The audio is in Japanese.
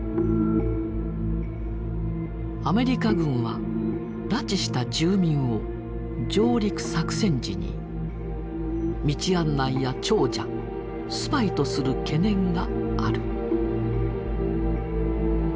「アメリカ軍は拉致した住民を上陸作戦時に道案内や諜者スパイとする懸念がある」。